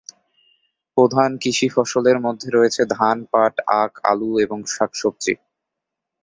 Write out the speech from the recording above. প্রধান কৃষি ফসলের মধ্যে রয়েছে ধান, পাট, আখ, আলু এবং শাকসবজি।